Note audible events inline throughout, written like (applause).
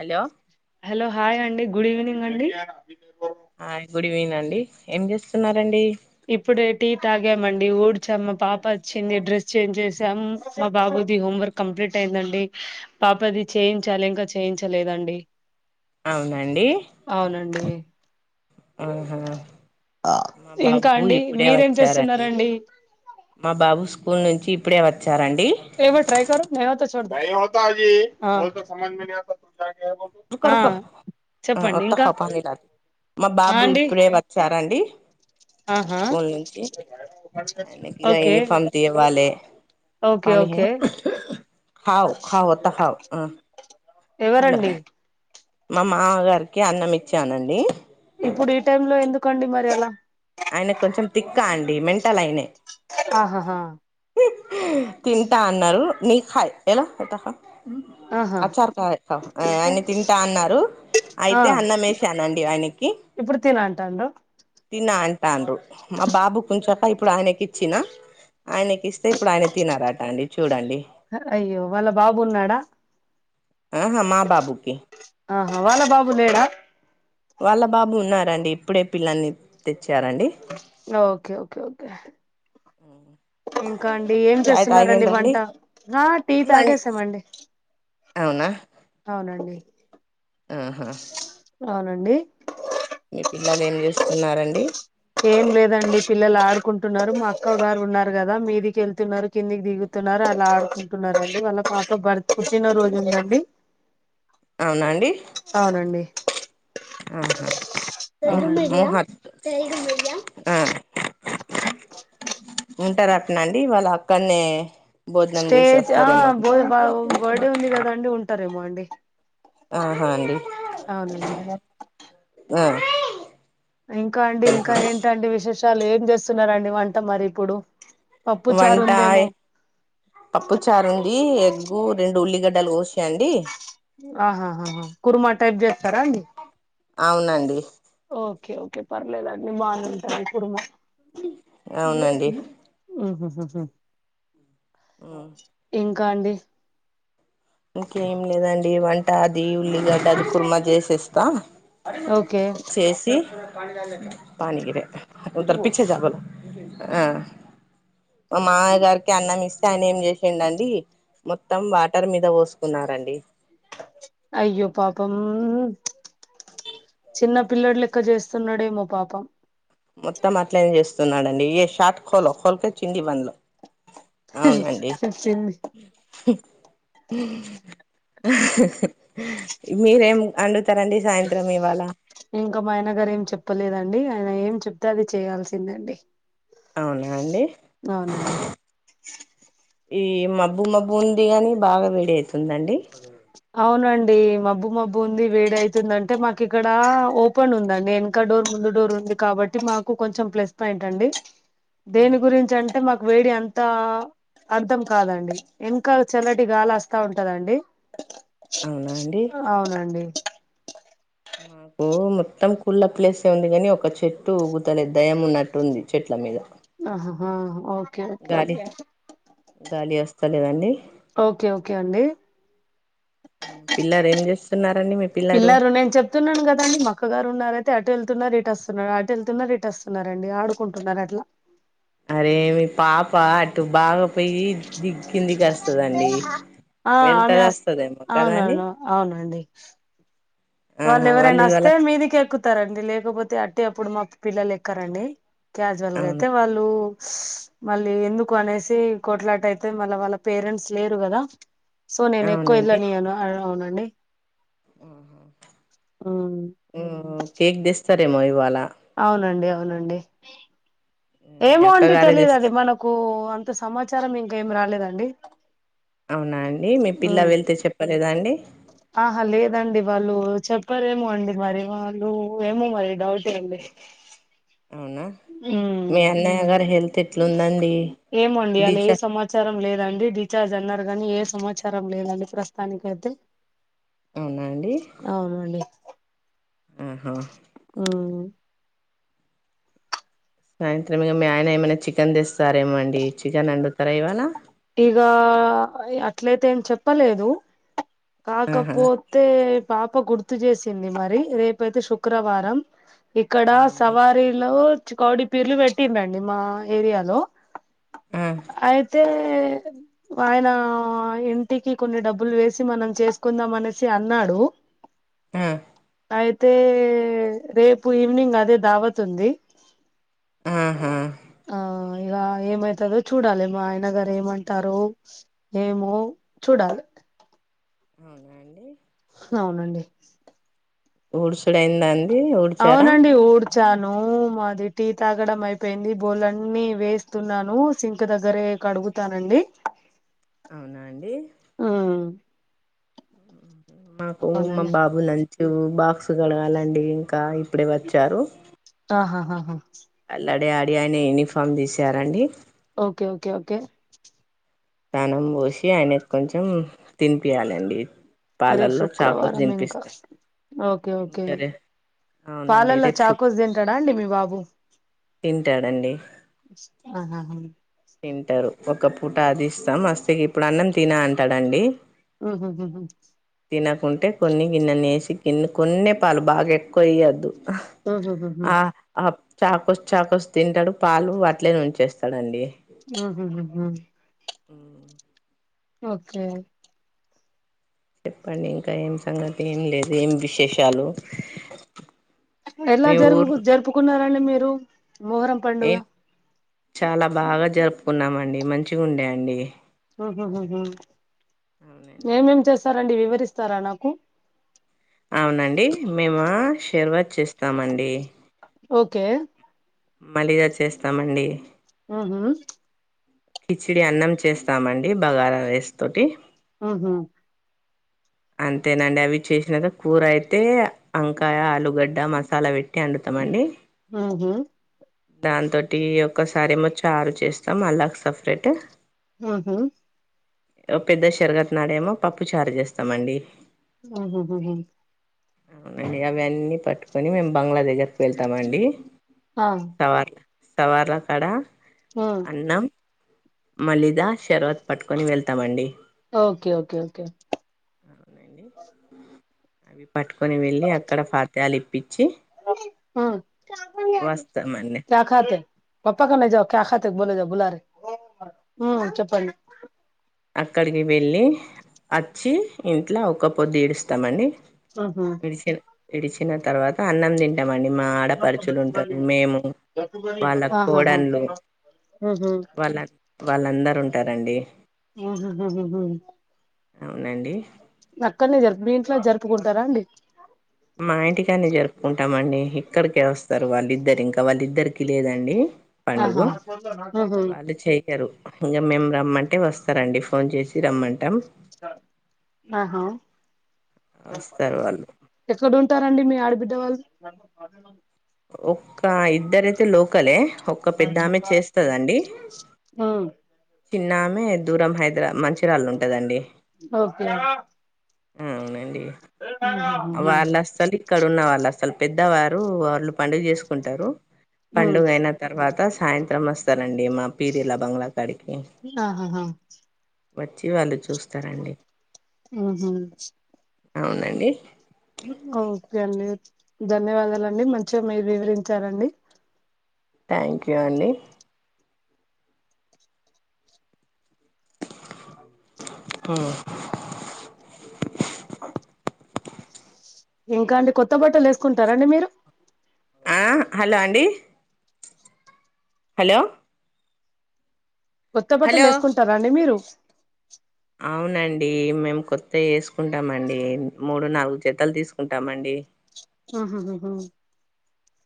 Hello hello hi అండి good evening అండి hi good evening అండి ఏం చేస్తున్నారండి ఇప్పుడే టీ తాగామండి ఊడ్చాం మా పాప వచ్చింది డ్రెస్ చేంజ్ చేసాం మా బాబుది హోంవర్క్ కంప్లీట్ అయిందండి పాపది చేయించాలి ఇంకా చేయించలేదండి అవునండి అవునండి ఆహా మా ఇంకా బాబ్బు అండి ఇప్పుడే మీరేం వచ్చారండి చేస్తున్నారండి మా బాబు స్కూల్ నుంచి ఇప్పుడే వచ్చారండి ఎవో ట్రై కరో నయత చోడ్ దో నయ్ హోత జి బోల్ తో సమజ్ మి నియత (unintelligible) రుకో రుకో ఆ ఒత్త హాప్పనిలాగి మా ఆ బాబు అండి ఇప్పుడే వ సరండి ఆహా స్కూల్ నుంచి ఆయనకి ఇగ ఓకే యూనిఫామ్ తేవాలే ఓకే పని ఓకే హావ్ హవత హావ్ ఊ హలో ఎవరండి మా మామగారికి అన్నం ఇచ్చానండి ఇప్పుడు ఈ టైమ్లో ఎందుకండి మరి అలా ఆయన కొంచెం తిక్క అండి మెంటల్ అయినే ఆహా హా తింటా అన్నారు నీఖ్ ఎలా ఏ ఆహా ఆయన తింటా అన్నారు ఆ అయితే అన్నమేశానండి ఆయనకి తినా అంటా అండ్రు తిన అంటాండ్రు మా బాబు ఉంచక ఇప్పుడు ఆయనకి ఇచ్చినా ఆయనకి ఇస్తే ఇప్పుడు ఆయన తినారట అండి చూడండి అయ్యో వాళ్ళ బాబు ఉన్నాడా ఆహ మా బాబూకి ఆహా వాళ్ళ బాబు లేడా వాళ్ళ బాబు ఉన్నారండి ఇప్పుడే పిల్లల్ని తెచ్చారండి ఓకే ఓకే ఓకే ఇంకా అండి ఏం చాయ్ చేస్తున్నారండి తాగిండ్రండి వంట ఆ టీ తాగేసామండి అవునా అవునండి ఆహా అవునండి మీ పిల్లలు ఏం చేస్తున్నారండి ఏం లేదండి పిల్లలు ఆడుకుంటున్నారు మా అక్క గారు ఉన్నారు కదా మీదికి వెళ్తున్నారు కిందికి దిగు తున్నారు అలా ఆడుకుంటున్నారండి వాళ్ళ పాప బర్తఖషిన పుట్టినరోజు ఉందండి అవునాండి అవునండి ఆహా అవునండి ఉంటారానట్నండి వాళ్ళు అక్కనే భోజనం స్టేజ్ ఆ చేసేస్తారేమో బో బర్త్డే ఉంది కదా అండి ఉంటారేమో అండి ఆహా అండి అవునండి ఆ ఇంకా అండి ఇంకా ఆహా ఏంటండి విశేషాలు ఏం చేస్తునరండి వంట మరి ఇప్పుడు పప్పు చారు వంట ఉందేమో పప్పుచారుంది ఉ రెండు ఉల్లిగడ్డలు కోసీయండి ఆహాా కుర్మా టైప్ చేస్తారాండి అవునండి ఓకే ఓకే పర్లేదండి బాగానే ఉంటది కుర్మ అవునండి ఉహు ఉ ఇంకా అండి ఇంకేంలేదండి వంట అది ఉల్లిగడ్డ అది కుర్మా చేసేస్తా ఓకే చేసి పనికగిరీ ఉదారు పిచ్చే జలో ఆ మా మామయ్య గారికి అన్నం ఇస్తే ఆయన ఏం చేసేండండి మొత్తం వాటర్ మ మీద పోసుకున్నారండి అయ్యో పాపం చిన్న పిల్లోడు లెక్క చేస్తున్నాడే మో పాపం మొత్తం అట్లనే చేస్తున్నాడండి ఏ షాట్ కోలో కోల్కచ్చిందిడి వన్లో అవునండి చెప్పింది మీరేం అండుతారండి సాయంత్రం ఇవాళ ఇంకా మా ఆయనగారు ఏం చెప్పలేదండి ఆయన ఏం చెప్తే అది చేయాల్సిందండి అవునా అండి అవునండి ఈ మబ్బు మబ్బు ఉంది గాని బాగా వేడి అయితుందండి అవునండి మబ్బు మబ్బు ఉంది వేడి అయితుంది అంటే మాకు ఇక్కడ ఓపెన్ ఉందండి నేను ఇంకా డోర్ ముందు డోర్ ఉంది కాబట్టి మాకు కొంచెం ప్లస్ పాయింట్ అండి దేని గురించి అంటే మాకు వేడి అంత్ ఇంత అర్థం కాదండి ఇంకా చల్లటి గాలి వస్తా ఉంటదండి అవునా అండి అవునండి మాకు మొత్తం కుళ్ళ ప్లేసే ఉంది కాని ఒక చెట్టు ఊగుతలే దెయ్యం ఉన్నట్టుంది చెట్ల మీద ఆ హ హా ఓకే ఓకే గాలి ఓకే గాలి వస్తలేదండి ఓకే ఓకే అండి పిల్లరు ఏం చేస్తున్నారండి మీ పిల్లరు అతున్నాను కదండి మ అక్క గారు ఉన్నార వెళ్తున్నాంకదా అని మా అక్కగారు వున్నా రయితే అటు వెళ్తున్నారు ఇటు వస్తున్నారు అటు వెళ్తున్నారు ఇటు వస్తున్నారండి ఆడుకుంటున్నారు అట్లా అరే మీ పాప అటు బాగా పోయి దిగ్గిందికి వస్తదండి ఆ ఆమె వెళ్తది అస్త్ వస్తదేమో కదా అండి అవునండీ అవునండి వాళ్ళు ఆహా ఎవరైనా ఇవాళ వస్తే మీదికి ఎక్కుతారండి లేకపోతే అట్టే అప్పుడు మాకు పిల్లలు ఎక్కరండి క్యాజువల్గా అవునా అయితే వాళ్ళు మళ్ళీ ఎందుకు అనేసి కొట్లాట అయితే మళ్ళీ వాళ్ళ పేరెంట్స్ లేరు కదా సో నేను ఎక్కువ వెళ్ళనీయను అవునండి ఆఓహో ఆ కేక్ తెస్తారేమో ఇవాళ అవునండి అవునండి మీ ఏమో అండి అక్కగారే తెస్ తెలీదండి మనకు అంత సమాచారం ఇంక ఏమి రాలేదండి అవునా అండి మీ పిల్లా ఉమ్, వెళ్తే చెప్పలేదా అండి ఆహా లేదండి వాళ్ళు చెప్పారేమో అండి మరి వాళ్ళు ఏమో మరి డౌట్ ఏండి అవునా ఉమ్. మీ అన్నయ్య గారు హెల్త్ ఎట్లుందండి ఏమో అండి (unintelligible) ఏ డిజ సమాచ సమాచారం లేదండి డిచార్జ్ అన్నారు కానీ ఏ సమాచారం లేదండి ప్రస్తుతానికయితే అవునా అండి అవునండి ఆహా ఆ సాయంత్రం ఇక మీ ఆయన ఏమైనా చికెన్ తెస్తారేమో అండి చికెన్ అండుతారా ఇవాళ ఇగ అట్లయితే ఏం చెప్పలేదు ఆహా కాకపోతే పాప గుర్తు చేసింది మరి రేపయితే శుక్రవారం ఇక్కడ అవునండి సవారీలో కౌడి పీర్లు పెట్టిందండి మా ఏరియాలో ఆ అయితే ఆయన ఇంటికి కొన్ని డబ్బులు వేసి చి మనం చేసుకుందాం అనేసి అన్నాడు ఆహ్ అయితే రేపు ఈవినింగ్ అదే దావత్ ఉంది ఉహు హు ఆ ఇగ ఏమైతుందో చూడాలి మా ఆయన గారు ఏమంటారో ఏమో చూడాలి అవునా అండి అవునండి ఊడ్సుడు అయిందా అండి ఊడ్చారా అవునండి ఊడ్ చ్చాను మళ్లీ టీ తాగడం అయిపోయింది బోర్లన్నీ అన్ని వేస్తున్నాను సింక్ దగ్గరే కడుగుతు త రండి అవునా అండి మాకు మా అవునండి బాబు లంచు బాక్స్ కడగాలండి ఇంకా ఇప్పుడే వచ్చారు ఆహాహాహా అల్లడే ఆడి ఆయన యూనిఫామ్ తీసారండి ఓకే ఓకే ఓకే తానం పోసి ఆయన కొంచెం తినిపియాలండి రేపు పాలల్లో చాకోస్ శుక్రవారం ఇంకా తినిపిస్తా ఓకే ఓకే ఇంకారే అవునండి పాలల్లో రేపు శు చాకోస్ తింటాడా అండి మీ బాబు తింటాడండి ఆహాహా తింటారు ఒక పూట అది ఇస్తాం మస్తీకి ఇప్పుడు అన్నం తిన అంటాడుండి ఉహు హు తినకుంటే కొన్ని గిన్నె నేసి గిన్నె కొన్న పాలు బాగా ఎక్కువ వయ్యద్దు ఉహుహుహు ఆ ఆ చాకోస్ చాకోస్ తింటాడు పాలు అట్లేనే ఉంచేస్తాడండి హహహహ ఆ ఓకే చెప్పండి ఇంకా ఏం సంగతి ఏం లేదు ఏం విశేషాలు ఎలా మీ ఊరు జరుపు జరుపుకున్నారండి మీరు మోహరం ఏ చాలా బాగా జరుపుకున్నామ అండి మంచిగా ఉండేయండి హ అవునండి ఏమేం చేస్తారండి వివరిస్తారా నాకు అవునండి మేము షేర్బత్ చేస్తామండి ఓకే మలిద చేస్తామండి ఆహా కిచడి అన్నం చేస్తామండి బగారా రైస్ తోటి ఉహు హు అంతేనండి అవి చేసినక కూర అయితే వంకాయ ఆలుగడ్డ మసాలా పెట్టి వండుతామండి ఆహా దానితోటి ఒక్కసారి ఏమో చారు చేస్తాం అలాగ్ సపరేట్ ఊ హు ఒక పెద్ద షెరగదు నాడేమో పప్పుచారు చేస్తామండి ఊ హు హు హు అవునండిఅవన్నీ పట్టుకొని మేము బంగ్లా దగ్గరకి వెళ్తామ అండి ఆ టవర్ టవర్ల కాడా ఆ అన్నం మలిద శర్వత్ పట్టుకొని వెళ్తామండి ఓకే ఓకే ఓకే అవి పట్టుకొని వెళ్ళి అక్కడ ఫాతియాలు ఇప్పించి ఓకే ఆ వస్తామండి బులారే పప్ప కనే జవ్ క్యా ఖాతేకి కి బోలో బులెరే ఆ చెప్పండి అక్కడికి వెళ్ళి అచ్చి ఇంట్లో ఒక పొద్దు ఇడుత్సమండి ఆహా విడిచిన విడిచిన తర్వాత అన్నం తింటాం తింటామండి మేము మా ఆడపడుచులు ఉంటారు మేము వాళ్ల కోడన్లు ఊ హు వాళ్ళందరు ఉంటారండి ఉహు హు హు అవునండి అక్కడనే మీ ఇంట్లో జరుపుకుంటారా అండి మా ఇంటికానే జరుపుకుంటామండి ఇక్కడికే వస్తారు వాళ్ళిద్దరు ఇంకా వాళ్ళిద్దరికి లేదండి పండుగు ఆహా ఉహు వాళ్లు చే యరు ఇంక మేము రమ్మంటే వస్తారండి ఫోన్ చేసి రమ్మంటాం ఆహా వస్తారు వాళ్ళు ఎక్కడ ఉంటారండి మీ ఆడబిడ్డ వాళ్ళు ఒక్క ఇద్దరయితే లోకలే ఒక్క పెద్ద ఆమె చేస్తదండి ఆ చిన్నామే దూరం హైద్రా మంచిర్యాల్ లో ఉంటదండి ఓకే అవునండి ఉహుహుహు వాళ్ళు వస్తారు ఇక్కడ ఉన్న వాళ్ళు అసలు పెద్దవారు వాళ్ళు పండుగ చేసుకుంటారు పండుగ అయినా తర్వాత సాయంత్రం వస్తారండి మా పీరిల బంగ్లాకాడికి ఆహాహా వచ్చి వాళ్ళు చూస్తారండి ఆహ అవునండి ఓకే అండి ధన్యవాదాలండి మంచిగా మీరు వివరించారండి థ్యాంక్ యూ అండి ఉమ్ ఇంకా అండి కొత్త బట్టలు వేసుకుంటారా అండి మీరు ఆ హలో అండి హలో కొత్త బట్టలు హలో వేసుకుంటారా అండి మీరు అవునండి మేము కొత్తవి వేసుకుంటామండి మూడు నాలుగు జతలు తీసుకుంటామండి ఆహాహా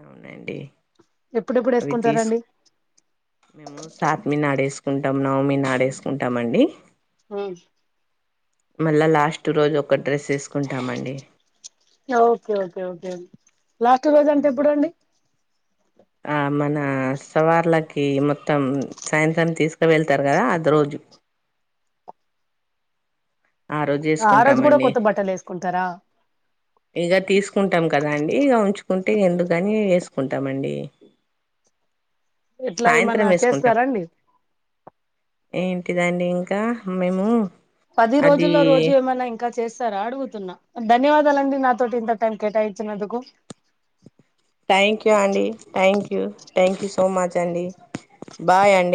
అవునండి ఎప్పుడెప్పుడు అవి తీసు వేసుకుంటారండి మేము సాత్మి నాడేసుకుంటమమ్ నవమి నాడేసుకుంటామండి హుమ్ మల్ల లాస్ట్ రోజు ఒక డ్రెస్ వేసుకుంటం అండి okay okay okay okay last రోజు అంటె ఎప్పుడు అండి అవునండి ఆ మన సవార్లకి మొత్తం సాయంత్రం తీసుక వెళ్తారు కద అద రోజు ఆ రోజు ఆ రోజు కూడ వేసుకుంటామండి కొత్త బట్టలు వేసుకుంటరా ఇగ తీసుకుంటం కద అండి ఇగ ఉంచుకుంటె ఎందుకని వేసుకుంటామండి ఇట్లా సాయంత్రం ఏమన్నా ఏసుకుంటం చేస్తారా అండి ఏంటిదండి ఇంక మేము పది అది రోజుల్లో రోజు ఏమైన ఇన్ ఇంక చేస్తరా అడుగుతున్నా, ధన్యవాదాలండి నాతోటి ఇంత టైం కేటాయించినందుకు థ్యాంక్ యూ అండి, thank you, thank you so much అండి బాయ్ అండి